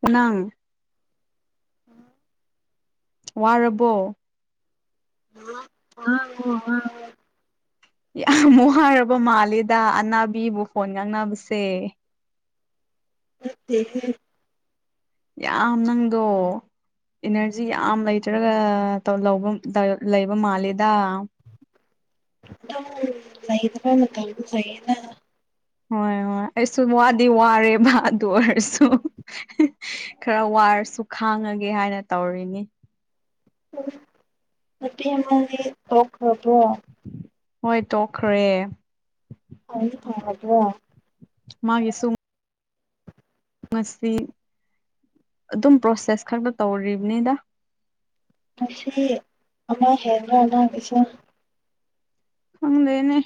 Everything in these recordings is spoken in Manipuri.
ꯀꯅꯪ [unintelligible] ꯋꯥꯔꯕꯣ [unintelligible] ꯌꯥꯝ ꯋꯥꯔꯕ ꯃꯥꯜꯂꯤꯗ ꯑꯅꯥꯕꯤꯕꯨ ꯐꯣꯟ ꯉꯥꯡꯅꯕꯁꯦ ꯅꯠꯇꯦꯍꯦ ꯌꯥꯝ ꯅꯪꯗꯣ ꯏꯅꯔꯖꯤ ꯌꯥꯝ ꯂꯩꯇ꯭ꯔꯒ ꯇꯧ [unintelligible] ꯂꯩꯕ ꯃꯥꯜꯂꯤꯗ ꯑꯗꯨꯝ ꯂꯩꯇꯔꯥꯒꯥ ꯀꯩꯕꯨ ꯂꯩꯌꯦꯅ ꯍꯣꯏ ꯍꯣꯏ ꯑꯩꯁꯨ ꯋꯥꯗꯤ ꯋꯥꯔꯦꯕ ꯑꯗꯨ ꯑꯣꯏꯔꯁꯨ ꯈꯔ ꯋꯥꯔꯁꯨ ꯈꯥꯡꯉꯒꯦ ꯍꯥꯏꯅ ꯇꯧꯔꯤꯅꯤ ꯅꯨꯄꯤ ꯑꯃꯗꯤ ꯇꯣꯛꯈ꯭ꯔꯕꯣ ꯍꯣꯏ ꯇꯣꯛꯈ꯭ꯔꯦ ꯍꯩ ꯍꯥꯎꯕꯔꯥ ꯃꯥꯒꯤꯁꯨꯡ ꯉꯁꯤ ꯑꯗꯨꯝ ꯄ꯭ꯔꯣꯁꯦꯁ ꯈꯛꯇꯥ ꯇꯧꯔꯤꯕꯅꯤꯗ ꯉꯁꯤ ꯑꯃ ꯍꯦꯟꯗꯔꯥ ꯅꯪꯒꯤꯁꯤ ꯈꯪꯗꯦꯅꯦ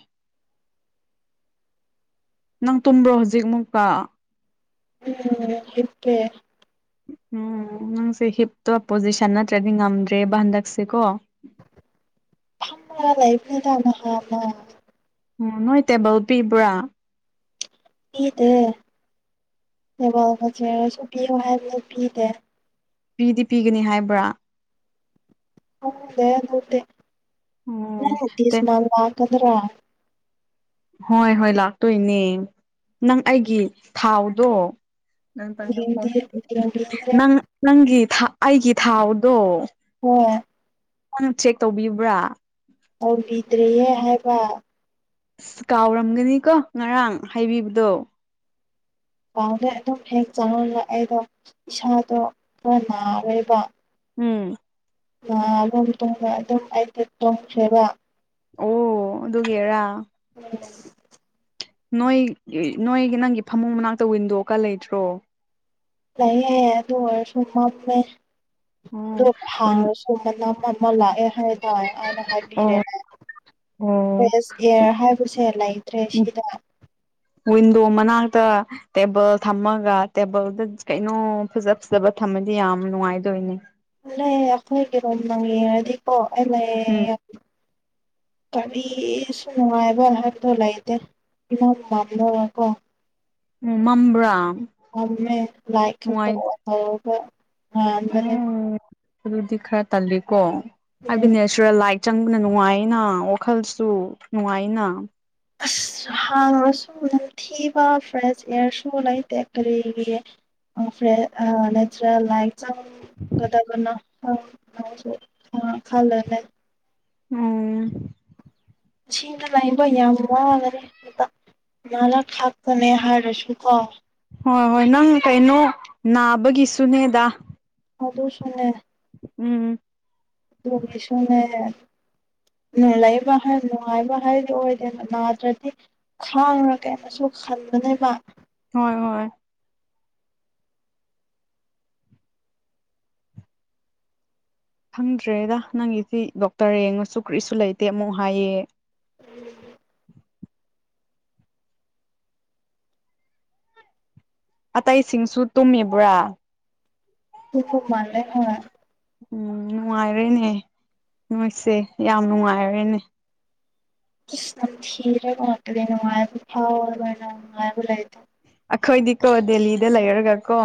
ꯅꯪ ꯇꯨꯝꯕ꯭ꯔꯣ ꯍꯧꯖꯤꯛ ꯃꯨꯛꯀ ꯅꯪ ꯍꯤꯞꯀꯦ ꯎꯝ ꯅꯪꯁꯦ ꯍꯤꯞꯇꯣ ꯄꯣꯖꯤꯁꯟ ꯅꯠꯇ꯭ꯔꯗꯤ ꯉꯝꯗ꯭ꯔꯦꯕ ꯍꯟꯗꯛꯁꯤꯀꯣ ꯈꯔꯥ ꯂꯩꯕꯅꯤꯗ ꯅꯍꯥꯟꯅꯥ ꯎꯝ ꯅꯣꯏ ꯇꯦꯕꯜ ꯄꯤꯕ꯭ꯔꯥ ꯄꯤꯗꯦ ꯇꯦꯕꯜꯒ ꯆꯦꯌꯔꯒꯁꯨ ꯄꯤꯌꯣ ꯍꯥꯏꯕꯗꯨ ꯄꯤꯗꯦ ꯄꯤꯗꯤ ꯄꯤꯒꯅꯤ ꯍꯥꯏꯕ꯭ꯔꯥ ꯈꯪꯗꯦ ꯑꯗꯨꯗꯤ ꯎꯝ ꯅꯪ ꯇꯤꯁ ꯃꯥꯜ ꯂꯥꯛꯀꯥꯗ꯭ꯔꯥ ꯍꯣꯏ ꯍꯣꯏ ꯂꯥꯛꯇꯣꯏꯅꯦ ꯅꯪ ꯑꯩꯒꯤ ꯊꯥꯎꯗꯣ ꯌꯦꯡꯗꯤ ꯌꯦꯡꯕꯤꯗ꯭ꯔꯦ [unintelligible] ꯅꯪ ꯅꯪꯒꯤ ꯑꯩꯒꯤ ꯊꯥꯎꯗꯣ ꯍꯣꯏ ꯅꯪ ꯆꯦꯛ ꯇꯧꯕꯤꯕ꯭ꯔꯥ ꯇꯧꯕꯤꯗ꯭ꯔꯤꯌꯦ ꯍꯥꯏꯕ ꯑꯁ ꯀꯥꯎꯔꯝꯒꯅꯤꯀꯣ ꯉꯔꯥꯡ ꯍꯥꯏꯕꯤꯕꯗꯨ ꯀꯥꯎꯗꯦ ꯑꯗꯨꯝ ꯍꯦꯛ ꯆꯪꯉꯒ ꯑꯩꯗꯣ ꯏꯁꯥꯗꯣ ꯈꯔ ꯅꯥꯔꯦꯕ ꯎꯝ [unintelligible] ꯗꯨꯝ ꯇꯨꯝꯈ꯭ꯔꯦ ꯑꯗꯨꯝ ꯑꯩꯗꯤ ꯇꯨꯝꯈꯔꯦꯕ ꯑꯣ ꯑꯗꯨꯒꯤꯔꯥ [inaudible] ꯅꯣꯏ ꯒꯤ ꯅꯣꯏꯒꯤ ꯅꯪꯒꯤ ꯐꯃꯨꯡ ꯃꯅꯥꯛꯇ ꯋꯤꯟꯗꯣ ꯀ ꯂꯩꯇ꯭ꯔꯣ ꯂꯩꯌꯦ ꯑꯗꯨ ꯑꯣꯏꯔꯁꯨ ꯃꯝꯃꯦ ꯑꯣ ꯑꯗꯨꯞ ꯍꯥꯔꯥ ꯑꯗꯨ ꯃꯅꯝ ꯑꯃ ꯂꯥꯛꯑꯦ ꯍꯥꯏ ꯇꯥꯏ ꯑꯩꯅ ꯑꯣ ꯍꯥꯏꯕꯤꯔꯦꯅꯦ ꯑꯣ ꯐ꯭ꯔꯦꯁ ꯑꯦꯌꯥꯔ ꯍꯥꯏꯕꯁꯦ ꯂꯩꯇ꯭ꯔꯦ ꯁꯤꯗ ꯋꯤꯟꯗꯣ ꯃꯅꯥꯛꯇ ꯇꯦꯕꯜ ꯊꯝꯃꯒ ꯇꯦꯕꯜꯗ ꯀꯩꯅꯣ ꯐꯖ ꯐꯖꯕ ꯊꯝꯃꯗꯤ ꯌꯥꯝ ꯅꯨꯡꯉꯥꯏꯗꯣꯏꯅꯦ ꯂꯩ ꯑꯈꯣꯏꯒꯤꯔꯣꯝ [unintelligible] ꯗꯤꯀꯣ ꯑꯩ ꯎꯝ ꯂꯩ ꯀꯔꯤꯁꯨ ꯅꯨꯡꯉꯥꯏꯕ ꯍꯥꯏꯕꯗꯣ ꯂꯩꯇꯦ [unintelligible] ꯎꯝ ꯃꯝꯕ꯭ꯔꯥ ꯃꯝꯃꯦ ꯂꯥꯏꯛ ꯈꯛꯇ ꯅꯨꯡꯉꯥꯏ ꯉꯧꯔꯣꯛ ꯉꯧꯔꯒ ꯉꯥꯟꯕꯅꯦ ꯑꯣ ꯑꯗꯨꯗꯤ ꯈꯔ ꯇꯜꯂꯤꯀꯣ ꯎꯝ ꯍꯥꯏꯕꯗꯤ [unintelligible] ꯇ꯭ꯔꯦꯜ ꯂꯥꯏꯠ ꯆꯪꯕꯅ ꯅꯨꯡꯉꯥꯏꯌꯦꯅ ꯋꯥꯈꯜꯁꯨ ꯅꯨꯡꯉꯥꯏꯌꯦꯅ ꯑꯁ ꯍꯥꯡꯔꯁꯨ ꯅꯝꯊꯤꯕ ꯐ꯭ꯔꯦꯁ ꯏꯌꯥꯔꯁꯨ ꯂꯩꯇꯦ ꯀꯔꯤꯒꯤ ꯎꯝ ꯐꯔꯦ ꯑ ꯅꯦꯆꯔꯦꯜ ꯂꯥꯏꯛ ꯆꯪꯒꯗꯕꯅ ꯐꯜ ꯂꯥꯑꯣꯆꯦ ꯈꯜꯂꯂꯩ ꯎꯝ ꯁꯤꯅ ꯂꯩꯕ ꯌꯥꯝ ꯋꯥꯒꯔꯦ ꯑꯗꯨꯇ ꯉꯂꯛ ꯊꯥꯛꯀꯅꯤ ꯍꯥꯏꯔꯁꯨ ꯀꯣ ꯍꯣꯏ ꯍꯣꯏ ꯅꯪ ꯀꯩꯅꯣ ꯅꯥꯕꯒꯤꯁꯨꯅꯦꯗ ꯑꯗꯨꯁꯨꯅꯦ ꯎꯝ ꯇꯨꯒꯤꯁꯨꯅꯦ ꯅꯦꯍꯦ ꯂꯩꯕ ꯍꯥꯏ ꯅꯨꯡꯉꯥꯏꯕ ꯍꯥꯏꯔꯗꯤ ꯑꯣꯏꯗꯦꯗ ꯅꯥꯗ꯭ꯔꯗꯤ ꯈꯥꯡꯔꯒꯦꯅꯁꯨ ꯈꯟꯕꯅꯦ ꯃꯥ ꯍꯣꯏ ꯍꯣꯏ ꯈꯪꯗ꯭ꯔꯦꯗ ꯅꯪꯒꯤꯁꯤ ꯗꯣꯛꯇꯔ ꯌꯦꯡꯉꯁꯨ ꯀꯔꯤꯁꯨ ꯂꯩꯇꯦ ꯑꯃꯨꯛ ꯍꯥꯏꯌꯦ [inaudible] [inaudible] ꯑꯇꯩꯁꯤꯡꯁꯨ ꯇꯨꯝꯃꯤꯕ꯭ꯔꯥ ꯇꯨꯝꯕ ꯃꯥꯥꯜꯂꯦ ꯍꯣꯏ ꯎꯝ ꯅꯨꯡꯉꯥꯏꯔꯦꯅꯦ ꯅꯣꯏꯁꯦ ꯌꯥꯝ ꯅꯨꯡꯉꯥꯏꯔꯦꯅꯦ ꯁꯏ ꯅꯝꯊꯤꯔꯒ ꯉꯥꯛꯇꯅꯦ ꯅꯨꯡꯉꯥꯏꯕ ꯐꯥꯎꯔꯕꯔꯥ ꯅꯪ ꯅꯨꯡꯉꯥꯏꯕꯨ ꯂꯩꯇꯦ ꯑꯈꯣꯏꯗꯤꯀꯣ ꯗꯦꯂꯤꯗ ꯂꯩꯔꯒ ꯀꯣ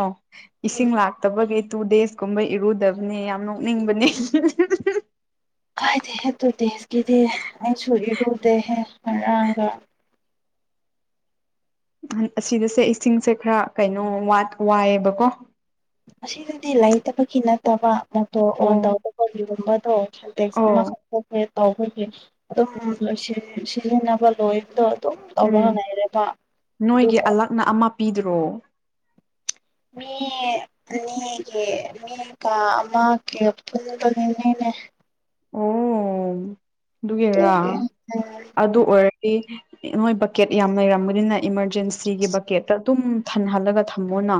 ꯎꯝ ꯏꯁꯤꯡ ꯂꯥꯛꯇꯕꯒꯤ ꯇꯨ ꯗꯦꯖ ꯀꯨꯝꯕ ꯏꯔꯨꯗꯕꯅꯤ ꯌꯥꯝ ꯅꯣꯛꯅꯤꯡꯕꯅꯦ ꯀꯥꯏꯗꯦ ꯍꯦ ꯇꯨꯗꯦꯁꯀꯤꯗꯤ ꯑꯩꯁꯨꯏꯔꯤ ꯔꯨꯗꯦꯍꯦ ꯉꯔꯥꯡꯒ ꯑꯁꯤꯗꯁꯦ ꯏꯁꯤꯡꯁꯦ ꯈꯔ ꯀꯩꯅꯣ ꯋꯥꯠ ꯋꯥꯏꯑꯦꯕꯀꯣ ꯑꯁꯤꯗꯗꯤ ꯂꯩꯇꯕꯒꯤ ꯅꯠꯇꯕ ꯃꯣꯇꯣꯔ ꯑꯣꯟ ꯑꯣ ꯇꯧꯕꯒ ꯒꯤꯒꯨꯝꯕꯗꯣ ꯁꯦꯟꯇꯦꯛ ꯑꯣ ꯑꯃꯈꯛꯇꯅꯦ ꯇꯧꯕꯒꯤ ꯑꯗꯨꯝ ꯂꯣꯏ ꯁꯤꯖꯤꯟ ꯁꯤꯖꯤꯟꯅꯕ ꯂꯣꯏꯕꯗꯣ ꯑꯗꯨꯝ ꯇꯧꯔꯒ ꯂꯩꯔꯦꯕ ꯑꯗꯨꯒ ꯅ ꯑꯃ ꯄꯤꯗ꯭ꯔꯣ ꯃꯤ ꯑꯅꯤꯒꯤ ꯃꯤꯒ ꯑꯃꯥ ꯀꯦꯌꯞ ꯄꯨꯟꯕꯅꯤꯅꯤꯅꯦ ꯑꯣ ꯑꯗꯨꯒꯤꯔ ꯑꯗꯨꯒꯤ ꯎꯝ ꯑꯗꯨ ꯑꯣꯏꯔꯗꯤ ꯃꯣꯏ ꯕꯛꯀꯦꯠ ꯌꯥꯝ ꯂꯩꯔꯝꯕꯅꯤꯅ ꯏꯃꯥꯔꯖꯦꯟꯁꯤꯒꯤ ꯕꯛꯀꯦꯠꯇ ꯇꯨꯝ ꯊꯟꯍꯜꯂꯒ ꯊꯝꯃꯣꯅ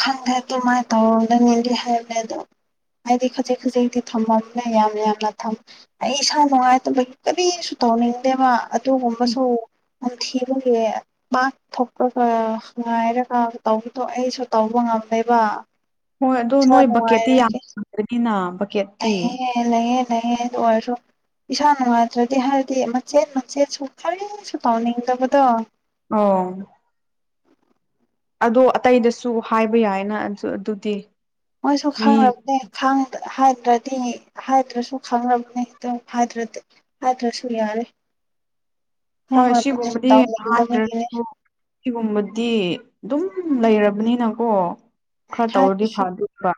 ꯈꯪꯗꯦ ꯑꯇꯨꯃꯥꯏ ꯇꯧꯔꯅꯅꯤꯂꯤ ꯍꯥꯏꯕꯅꯦ ꯑꯗꯣ ꯍꯥꯏꯗꯤ ꯈꯖꯤꯛ ꯈꯖꯤꯛꯇꯤ ꯊꯝꯃꯝꯅꯤꯅ ꯌꯥꯝ ꯌꯥꯝꯅ ꯊꯝ ꯑꯩ ꯏꯁꯥ ꯅꯨꯡꯉꯥꯏꯇꯕ ꯀꯔꯤꯁꯨ ꯇꯧꯅꯤꯡꯗꯦꯕ ꯑꯗꯨꯒꯨꯝꯕꯁꯨ ꯊꯤꯕꯦ ꯃꯥꯥꯛ ꯊꯄꯒ ꯉꯥꯏꯔꯒ ꯇꯧꯕꯗꯣ ꯑꯩꯁꯨ ꯇꯧꯕ ꯉꯝꯅꯦꯕ ꯍꯣꯏ ꯑꯗꯨꯗꯣ ꯅꯣꯏ ꯕꯛꯀꯦꯠꯇꯤ ꯌꯥꯝ ꯄꯗ꯭ꯔꯅꯤꯅ ꯕꯛꯀꯦꯠꯇꯤ ꯦ ꯂꯩꯍꯦ ꯂꯩꯍꯦ ꯑꯣꯏꯔꯁꯨ ꯏꯁꯥ ꯅꯨꯡꯉꯥꯏꯇ꯭ꯔꯗꯤ ꯍꯥꯏꯔꯗꯤ ꯃꯆꯦꯠ ꯃꯆꯦꯠ ꯁ ꯈꯔꯤꯁꯨ ꯇꯥꯎꯅꯤꯡꯗꯕꯗꯣ ꯑꯣ ꯑꯗꯣ ꯑꯇꯩꯗꯁꯨ ꯍꯥꯏꯕ ꯌꯥꯏꯅ ꯑꯗꯨ ꯑꯗꯨꯗꯤ ꯃꯣꯏꯁꯨ ꯃꯤ ꯈꯪꯦ ꯍꯥꯏꯗ꯭ꯔꯗꯤ ꯍꯥꯏꯗ꯭ꯔꯁꯨ ꯈꯥꯡꯅꯕꯅꯤ ꯈꯤꯇꯪ ꯍꯥꯏꯗ꯭ꯔꯗꯤ ꯑꯗ꯭ꯔꯁꯨ ꯌꯥꯔꯦ ꯍꯣꯏ ꯈꯪꯔꯕꯅꯦ ꯑꯁꯤ ꯨꯝꯂꯤ ꯍꯥ ꯔ ꯇꯧꯅꯤꯡꯗꯕꯒꯤꯅꯦ ꯁꯤꯒꯨꯝꯕꯗꯤ ꯑꯗꯨꯝ ꯂꯩꯔꯕꯅꯤꯅꯀꯣ ꯈꯔ ꯇꯧꯔꯗꯤ ꯊꯗꯁꯨ ꯐꯗꯣꯏꯕ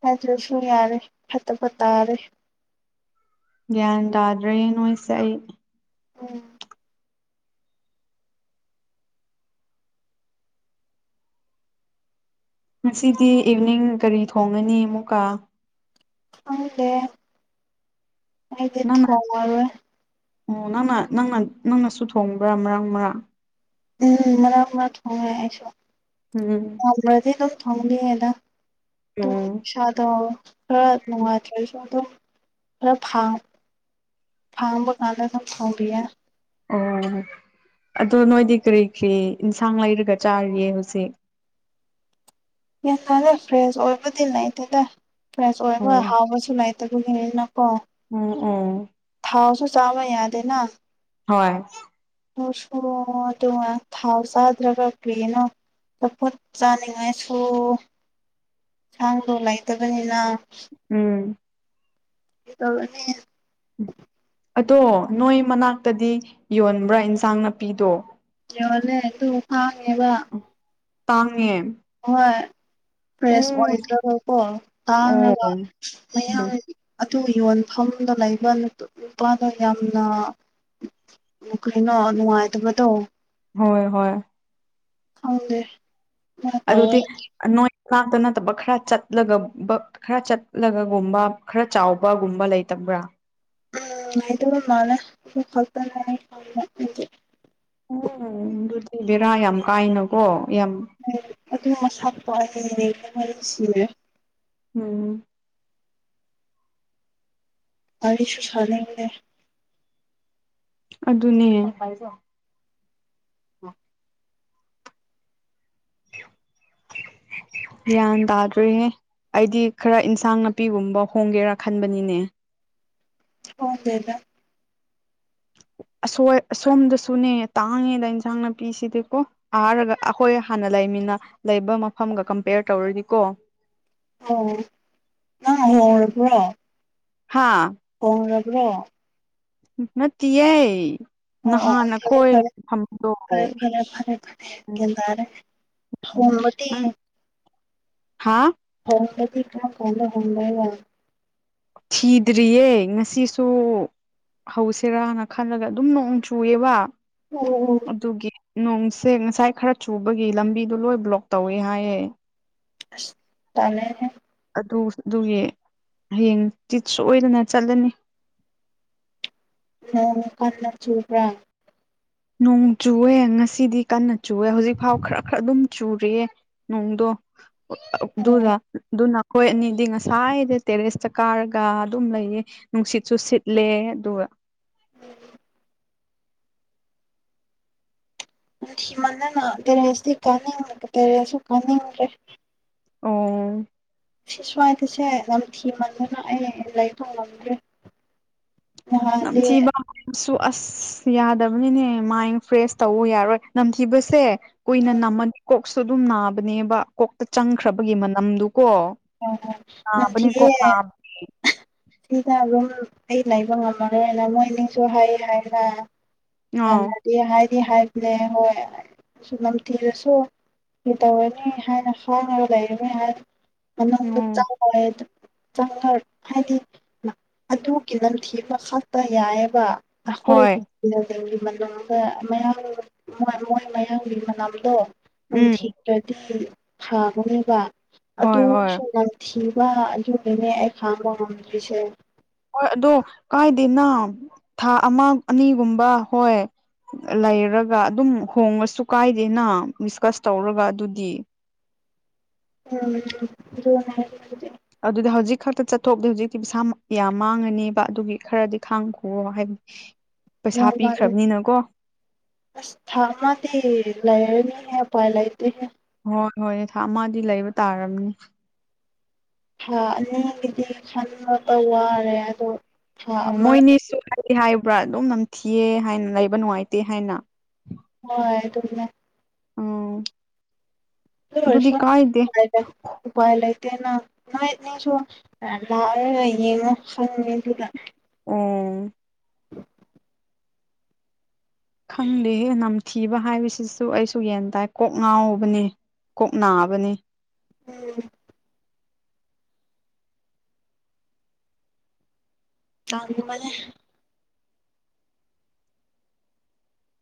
ꯈꯗꯁꯨ ꯌꯥꯔꯦ ꯐꯠꯇ ꯐꯠꯇꯔꯦ ꯒ꯭ꯌꯥꯟ ꯇꯥꯗ꯭ꯔꯦ ꯅꯣꯏꯁꯦ ꯑꯩ ꯎꯝ ꯉꯁꯤꯗꯤ ꯏꯚꯅꯤꯡ ꯀꯔꯤ ꯊꯣꯡꯉꯅꯤ ꯑꯃꯨꯛꯀ ꯈꯪꯗ‌ꯦ ꯑꯩꯗꯤ ꯅꯪꯅ ꯊ‌ꯣꯡ ꯉ‌ꯣꯏꯌ‌ꯦ ꯑꯣ ꯅꯪꯅ ꯅꯪꯅ ꯅꯪꯅꯁꯨ ꯊꯣꯡꯕ꯭ꯔꯥ ꯃꯔꯥꯡ ꯃꯔꯥꯡ ꯎꯝ ꯃꯔꯛ ꯃꯔꯛ ꯊꯣꯡꯉꯦ ꯑꯩꯁꯨ ꯎꯝ ꯇꯟꯗ꯭ꯔꯗꯤ ꯑꯗꯨꯝ ꯊ‌ꯣꯡꯉ‌ꯦꯗ ꯑꯣ ꯑꯗ‌ꯣ ꯏꯁꯥꯗ‌ꯣ ꯈꯔ ꯅꯨꯡꯉꯥꯏꯇ꯭ꯔꯁꯨ ꯑꯗꯨꯝ ꯈꯔ ꯐꯥꯡ ꯐꯥꯡꯕ ꯀꯥꯟꯗ ꯑꯗꯨꯝ ꯊ‌ꯣꯡꯕꯤꯌ‌ꯦ ꯑꯣ ꯑꯗꯣ ꯅꯣꯏꯗꯤ ꯀꯔꯤ ꯀꯔꯤ ꯏꯟꯁꯥꯡ ꯂꯩꯔꯒ ꯆꯥꯔꯤꯌꯦ ꯍꯧꯖꯤꯛ ꯌꯥꯝꯟ ꯀꯥꯅ ꯐ꯭ꯔꯦꯁ ꯑꯣꯏꯕꯗꯤ ꯂꯩꯇꯦꯗ ꯐ꯭ꯔꯦꯁ ꯑꯣ ꯑꯣꯏꯕ ꯍꯥꯎꯕꯁꯨ ꯂꯩ [unintelligible] ꯅꯤ ꯅꯥ ꯀꯣ ꯎꯝ ꯎꯝ ꯊꯥꯎꯁꯨ ꯆꯥꯕ ꯌꯥꯗꯦꯅ ꯍꯣꯏ ꯃꯁꯨ ꯑꯗꯨ ꯉꯥꯏ ꯊꯥꯎ ꯆꯥꯗ꯭ꯔꯕ ꯀꯔꯤꯅ‌ꯣ ꯆꯄꯣꯠ ꯆꯥꯅꯤꯡꯉꯥꯏꯁꯨ ꯏꯁꯥꯡ ꯂꯩꯇꯕꯅꯤꯅ ꯎꯝ ꯀꯩꯗꯧꯔꯨꯅꯤ ꯑꯗꯣ ꯅꯣꯏ ꯃꯅꯥꯛꯇꯗꯤ ꯌꯣꯟꯕ꯭ꯔꯥ ꯏꯟꯁꯥꯡ ꯅꯥꯄꯤꯗꯣ ꯌꯣꯂꯦ ꯑꯗꯨ ꯐꯥꯡꯉꯦꯕ ꯇꯥꯡꯉꯦ ꯍꯣꯏ ꯐ꯭ꯔꯦꯁ ꯎꯝ ꯑꯣꯏꯗ꯭ꯔꯕꯀꯣ ꯑꯣ ꯇꯥꯡꯉꯒ ꯎꯝ ꯃꯌꯥꯝ ꯑꯗꯨ ꯌꯣꯟꯐꯝꯗ ꯂꯩꯕ ꯅꯨꯄꯥꯗꯣ ꯌꯥꯝꯅ ꯑ ꯀꯔꯤꯅꯣ ꯅꯨꯡꯉꯥꯏꯇꯕꯗꯣ ꯍꯣꯏ ꯍꯣꯏ ꯈꯪꯗꯦ ꯃꯥ ꯑꯗꯨꯗꯤ ꯇꯧꯋꯦ ꯅꯣꯏ ꯀꯥꯡꯇ ꯅꯠꯇꯕ ꯈꯔ ꯆꯠꯂꯒ ꯕꯛ ꯈꯔ ꯆꯠꯂꯒꯒꯨꯝꯕ ꯈꯔ ꯆꯥꯎꯕꯒꯨꯝꯕ ꯂꯩꯇꯕ꯭ꯔꯥ ꯎꯝ ꯂꯩꯇꯕ ꯃꯥꯂ‌ꯦ ꯑꯗꯨ ꯈꯛ ꯇꯅ‌ꯦ ꯑꯩ ꯈꯪꯕꯥꯗꯤ ꯎꯝ ꯑꯗꯨꯗꯤꯕ‌ꯦꯔꯥ ꯌꯥꯝ ꯀꯥꯏꯅꯀꯣ ꯌꯥꯝ ꯎꯝ ꯑꯗꯨ ꯃꯁꯛꯇꯣ ꯑꯩ ꯌ‌ꯦꯡꯅꯤꯡ ꯗꯕꯅꯥ ꯁꯤꯔ‌ꯦ ꯎꯝ ꯋꯥꯔꯤꯁꯨ ꯁꯥꯅꯤꯡꯗ‌ꯦ ꯑꯗꯨꯅꯦ [inaudible] ꯒ꯭ꯌꯥꯟ ꯇꯥꯗ꯭ꯔꯤꯅꯦ ꯑꯩꯗꯤ ꯈꯔ ꯏꯟꯁꯥꯡ ꯅꯥꯄꯤꯒꯨꯝꯕ ꯍꯣꯡꯒꯦꯔꯥ ꯈꯟꯕꯅꯤꯅꯦ ꯍ‌‌ꯣꯡꯗꯦꯗ ꯑꯁꯣꯏ ꯑꯁꯣꯝꯗꯁꯨꯅꯦ ꯇꯥꯡꯉꯦꯗ ꯏꯟꯁꯥꯡ ꯅꯥꯄꯤꯁꯤꯗꯤꯀꯣ ꯑꯔꯒ ꯑꯩꯈꯣꯏ ꯍꯥꯟꯅ ꯂꯩꯃꯤꯟꯅ ꯂꯩꯕ ꯃꯐꯝꯒ ꯀꯝꯄꯦꯌꯔ ꯇꯧꯔꯗꯤꯀꯣ ꯑꯣ ꯅꯪ ꯍꯪꯉꯧꯔꯕ꯭ꯔꯣ ꯍꯥꯥ ꯀꯣꯟ ꯂꯕ꯭ꯔꯣ ꯅꯠꯇꯤꯌ‌ꯦ ꯑꯣ ꯑꯣ ꯅꯍꯥꯟ ꯐꯔꯦ ꯑꯩꯈꯣꯏ ꯐꯔꯦ ꯊꯝꯗꯣ ꯐꯔꯦ ꯐꯔꯦ ꯐꯔꯦ ꯐꯔꯦ ꯒ꯭ꯌꯥꯟ ꯇꯥꯔꯦ [unintelligible] ꯍꯥꯥ ꯍ‌ꯣꯡꯕꯗꯤ ꯀꯔꯝ ꯀꯥꯟꯗ ꯍꫭꯡꯗ‌ꯣꯏꯕꯥ ꯊꯤꯗ꯭ꯔꯤꯌꯦ ꯉꯁꯤꯁꯨ ꯍꯧꯁꯤꯔꯥꯅ ꯈꯜꯂꯒ ꯑꯗꯨꯝ ꯅꯣꯡ ꯆꯨꯌ‌ꯦꯕ ꯑ‌ꯣ ꯑꯗꯨꯒꯤ ꯅꯣꯡꯁꯦ ꯉꯁꯥꯏ ꯈꯔ ꯆꯨꯕꯒꯤ ꯂꯝꯕꯤꯗꯣ ꯂꯣꯏ ꯕ꯭ꯂꯣꯛ ꯇꯧꯋꯦ ꯍꯥꯏꯌꯦ ꯑꯁ ꯇꯜꯂ‌ꯦꯍ‌ꯦ ꯑꯗꯨ ꯑꯗꯨꯒꯤ ꯍꯌꯦꯡ ꯇꯤꯠ ꯁꯣꯏꯗꯅ ꯆꯠꯂꯅꯤ ꯅꫭꯡ ꯀꯟꯅ ꯆꯨꯕ꯭ꯔꯥ ꯅꯣꯡ ꯆꯨꯑꯦ ꯉꯁꯤꯗꯤ ꯀꯟꯅ ꯆꯨꯑꯦ ꯍꯧꯖꯤꯛꯐꯥꯎ ꯈꯔ ꯈꯔ ꯑꯗꯨꯝ ꯆꯨꯔꯤꯑ‌ꯦ ꯅꯣꯡꯗꯣ ꯑꯣ ꯑꯗꯨꯗ ꯑꯗꯨꯅ ꯑꯩꯈꯣꯏ ꯑꯅꯤꯗꯤ ꯉꯁꯥꯏꯗ ꯇꯦꯔꯦꯁꯇ ꯀꯥꯔꯒ ꯑꯗꯨꯝ ꯂꯩꯌꯦ ꯅꯨꯡꯁꯤꯠꯁꯨ ꯁꯤꯠꯂꯦ ꯑꯗꯨꯒ ꯍꯃꯟꯗꯅ ꯇꯦꯔꯦꯁꯇꯤ ꯀꯥꯅꯤꯡꯗ ꯇꯦꯔꯦꯁꯁꯨ ꯀꯥꯅꯤꯡꯗ꯭ꯔꯦ [inaudible] ꯑꯣ ꯁꯤ ꯁ꯭ꯋꯥꯏꯗꯁꯦ ꯌꯥꯝ ꯊꯤꯃꯟꯗꯅ ꯑꯩ ꯂꯩꯕ ꯉꯝꯗ꯭ꯔꯦ ꯅꯍꯥꯟꯗꯤ ꯅꯝꯊꯤꯕ ꯁꯨ ꯑꯁ ꯌꯥꯗꯕꯅꯤꯅꯦ ꯃꯥꯏꯟ ꯐ꯭ꯔꯦꯁ ꯇꯧ ꯌꯥꯔꯣꯏ ꯅꯝꯊꯤꯕꯁꯦ ꯀꯨꯏꯅ ꯅꯝꯃꯅꯤ ꯀꯣꯛꯁꯨ ꯑꯗꯨꯝ ꯅꯥꯕꯅꯦꯕ ꯀꯣꯛꯇ ꯆꯪꯈ꯭ꯔꯕꯒꯤ ꯃꯅꯝꯗꯨꯀꯣ ꯍꯣꯢ ꯍꯣꯢ ꯅꯥꯕꯅꯦ ꯀꯣꯛ ꯅꯝꯊꯤꯌ‌ꯦ ꯅꯥꯕꯅꯦ ꯁꯤꯗ ꯑꯗꯨꯝ ꯑꯩ ꯂꯩꯕ ꯉꯝꯃꯔꯣꯢꯅ ꯃꯣꯏ ꯅꯤꯡꯁꯨ ꯍꯥꯏ ꯍꯥꯏꯕ ꯑꯥꯎ ꯍꯥꯟꯅꯗꯤ ꯍꯥꯏꯗꯤ ꯍꯥꯏꯕꯅꯦ ꯍꯣꯏ ꯁ ꯅꯝꯊꯤꯔꯁꯨ ꯀꯩꯇꯧꯔꯒꯦ [inaudible] ꯍꯥꯏꯅ ꯍꯥꯏꯥꯡꯉꯒ ꯂꯩꯔꯝꯃꯦ ꯍꯥꯏ ꯑꯅ ꯆ ꯎꯝ ꯍꯥꯏ [inaudible] ꯆꯪꯉ ꯍꯥꯏꯗꯤ ꯑꯗꯨꯒꯤ ꯅꯝꯊꯤꯕ ꯈꯛꯇ ꯌꯥꯏꯑꯦꯕ ꯍꯣꯏ ꯑꯈꯣꯏꯒꯤ ꯒꯤ ꯃꯅꯨꯡꯗ ꯃꯌꯥꯝ ꯃꯣꯏ ꯃꯌꯥꯡꯒꯤ ꯃꯅꯝꯗꯣ ꯎꯝ ꯎꯝꯊꯤꯂ꯭ꯔꯗꯤ ꯊꯥꯒꯅ‌ꯦꯕ [inaudible] ꯍꯣꯏ ꯍꯣꯏ ꯑꯗꯨꯁꯨ ꯅꯥꯝꯊꯤꯕ ꯑꯗꯨꯒꯤꯅꯦ ꯑꯩ ꯈꯥꯡꯕ ꯉꯝꯗ꯭ꯔꯤꯁꯦ ꯍꯣꯏ ꯑꯗꯣ ꯀꯥꯏꯗꯦꯅ ꯊꯥ ꯑꯃ ꯑꯅꯤꯒꯨꯝꯕ ꯍꯣꯏ ꯂꯩꯔꯒ ꯑꯗꯨꯝ ꯍꯣꯡꯉꯁꯨ ꯀꯥꯏꯗꯦꯅ ꯗꯤꯁꯀꯁ ꯇꯧꯔꯒ ꯑꯗꯨꯗꯤ ꯎꯝ ꯍꯥꯏ [inaudible] ꯑꯗꯨꯗ ꯍꯧꯖꯤꯛ ꯈꯛꯇ ꯆꯠꯊꯣꯛꯗꯤ ꯍꯧꯖꯤꯛꯇꯤ ꯄꯩꯁꯥ ꯌꯥꯝ ꯃꯥꯡꯉꯅꯦꯕ ꯑꯗꯨꯒꯤ ꯈꯔꯗꯤ ꯈꯥꯡꯈꯣꯑꫭꫭ ꯍꯥꯏꯕꯗꯤ ꯄꯩꯁꯥ ꯋꯥ ꯋꯥ [inaudible] ꯄꯤꯈ꯭ꯔꯕꯅꯤꯅꯀꯣ ꯑꯁ ꯊꯥ ꯑꯃꯗꯤ ꯂꯩꯔꯅꯤ ꯎꯄꯥꯏ ꯂꯩꯇꯦ ꯍꯣꯏ ꯍꯣꯏꯅꯦ ꯊꯥ ꯑꯃꯗꯤ ꯂꯩꯕ ꯇꯥꯔꯝꯅꯤ ꯊꯥ ꯑꯅꯤꯒꯤꯗꯤ ꯈꯥꯟꯕꯗ ꯋꯥꯔꯦ ꯑꯗꯣ ꯊꯥ ꯑꯣ ꯑꯃꯗ ꯃꯣꯏꯅꯤꯁꯨ ꯍꯥꯏ ꯍꯥꯏꯕ꯭ꯔꯥ ꯑꯗꯨꯝ ꯅꯝꯊꯤꯑ ꯍꯥꯏꯅ ꯂꯩꯕ ꯅꯨꯡꯉꯥꯏꯇꯦ ꯍꯥꯏꯅ ꯍꯣꯏ ꯑꯗꯨꯝꯅ‌ꯦ ꯎꯝ ꯑꯗꯨꯗꯤ ꯁꯨ ꯀꯥꯏꯗꯦ ꯎ ꯂꯩ ꯅꯥꯏꯁꯨ [inaudible] ꯂ ꯌꯦꯉꯣ ꯍꯪꯗꯨꯗ [inaudible] ꯑꯣ [unintelligible] ꯈꯪꯗꯦꯍꯦ ꯅꯝꯊꯤꯕ ꯍꯥꯏꯕꯁꯤꯁꯨ ꯑꯩꯁꯨ ꯌꯦꯟ ꯇꯥꯏ ꯀꯣꯛ ꯉꯥꯎꯕꯅꯦ ꯀꯣꯛ ꯅꯥꯕꯅꯦ ꯎꯝ ꯆꯥꯡ ꯕꯅꯦ [inaudible]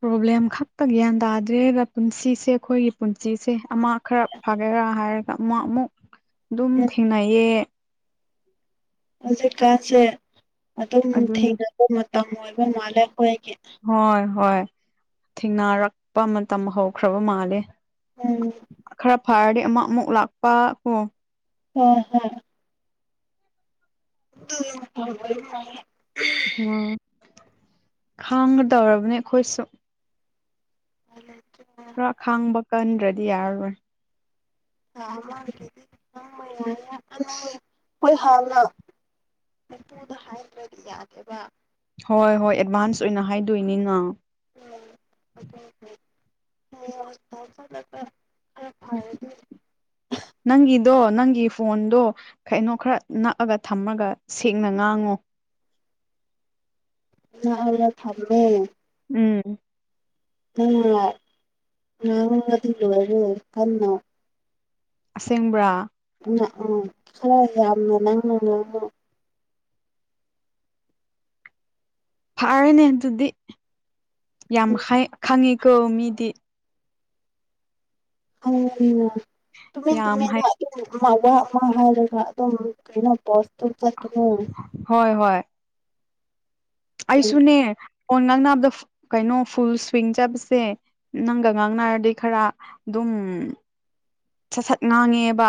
ꯄ꯭ꯔꯣꯕ꯭ꯂꯦꯝ ꯈꯛꯇ ꯒ꯭ꯌꯥꯟ ꯇꯥꯗ꯭ꯔꯦ ꯄꯨꯟꯁꯤꯁꯦ ꯑꯩꯈꯣꯏꯒꯤ ꯄꯨꯟꯁꯤꯁꯦ ꯑꯃ ꯈꯔ ꯐꯒꯦꯔꯥ ꯍꯥꯏꯔꯒ ꯑꯃꯨ ꯑꯃꯨꯛ ꯎ [unintelligible] ꯑꯗꯨꯝ ꯊꯦꯡꯅꯩꯌꯦ ꯍꯧꯖꯤꯛꯀꯥꯟꯁꯦ ꯑꯗꯨꯝ ꯑꯗꯨꯅꯤ ꯊꯦꯡꯅꯕ ꯃꯇꯝ ꯑꯣꯏꯕ ꯃꯥꯜꯂꯦ ꯑꯩꯈꯣꯏꯒꯤ ꯍꯣꯏ ꯍꯣꯏ ꯊꯦꯡꯅꯔꯛꯄ ꯃꯇꯝ ꯍꯧꯈ꯭ꯔꯕ ꯃꯥꯂꯦ ꯎꯝ ꯈꯔ ꯐꯔꯗꯤ ꯑꯃꯨꯛ ꯑꯃꯨꯛ ꯂꯥꯛꯄ ꯀꯣ ꯍꯣꯢ ꯍꯣꯢ ꯑꯗꯨ [inaudible] [unintelligible] ꯎꯝ ꯈꯥꯡꯒꯗꯧꯔꯕꯅꯦ ꯑꯩꯈꯣꯏꯁꯨ [inaudible] ꯈꯔ ꯈꯥꯡꯕ ꯀꯟꯗ꯭ꯔꯗꯤ ꯌꯥꯔꯔꯣꯏ [inaudible] ꯃꯄꯨꯗ ꯍꯥꯏꯗ꯭ꯔꯗꯤ ꯌꯥꯗꯦꯕ ꯍꯣꯏ ꯍꯣꯏ ꯑꯦꯗꯚꯥꯟꯁ ꯑꯣꯏꯅ ꯍꯥꯏꯗꯣꯏꯅꯤꯅ ꯎꯝ [inaudible] [inaudible] ꯅꯪꯒꯤꯗꯣ ꯅꯪꯒꯤ ꯐꯣꯟꯗꯣ ꯀꯩꯅꯣ ꯈꯔ ꯅꯛꯑꯒ ꯊꯝꯃꯒ ꯁꯦꯡꯅ ꯉꯥꯡꯉꯣ [inaudible] ꯊꯝꯃꯦ ꯎꯝ [inaudible] ꯉꯥꯡꯔꯗꯤ ꯂꯣꯏꯔꯦ ꯀꯟꯅ ꯑꯁꯦꯡꯕ꯭ꯔꯥ [inaudible] ꯎꯝ ꯈꯔ ꯌꯥꯝꯅ ꯅꯪꯅ ꯉꯥꯉꯨ ꯐꯔꯦꯅꯦ ꯑꯗꯨꯗꯤ ꯌꯥꯝ ꯍꯩ ꯈꯪꯉꯤꯀꯣ ꯃꯤꯗꯤ [inaudible] ꯇꯨꯃꯤꯟ ꯌꯥꯝ ꯍꯥꯏ ꯇꯨꯃꯤꯟꯅ ꯃ ꯋꯥ ꯑꯃ ꯍꯥꯏꯔꯒ ꯑꯗꯨꯝ ꯀꯩꯅꯣ ꯄꯣꯁꯇꯨ ꯆꯠꯀꯅꯨ ꯍꯣꯏ ꯍꯣꯏ ꯑꯩꯁꯨꯅꯦ ꯐꯣꯟ ꯉꯥꯡꯅꯕꯗ ꯀꯩꯅꯣ ꯐꯨꯜ ꯁ꯭ꯋꯤꯡ ꯆꯠꯄꯁꯦ ꯅꯪꯒ ꯉꯥꯡꯅꯔꯗꯤ ꯈꯔ ꯑꯗꯨꯝ ꯁꯠ ꯁꯠ ꯉꯥꯡꯉꯦꯕ